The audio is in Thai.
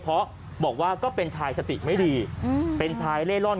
เพราะบอกว่าก็เป็นชายสติไม่ดีเป็นชายเล่ร่อน